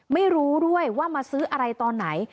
ไม่รู้ด้วยว่ามาซื้ออะไรตอนไหน